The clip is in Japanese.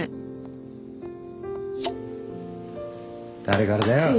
誰からだよ！